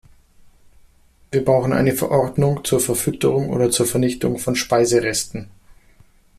Wir brauchen eine Verordnung zur Verfütterung oder zur Vernichtung von Speiseresten.